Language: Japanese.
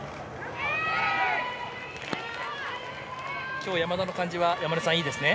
今日、山田の感じは山根さん、いいですね？